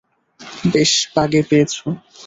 বেশ, বাগে পেয়েছো।